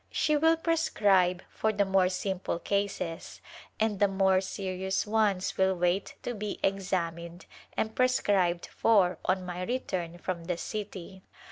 She will prescribe for the more simple cases and the more serious ones will wait to be examined and prescribed for on my return from the city.